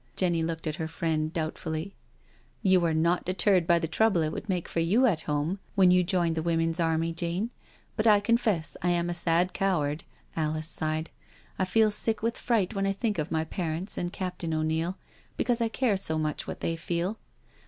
Jenny looked at her friend doubtfully. " You were not deterred by the trouble it would make for you at home, when you joined the women*s army, Jane. But I confess I am a sad coward," Alice sighed, '* I feel sick with fright when I think of my parents and Captain 0*Neil, because I care so much what they feel.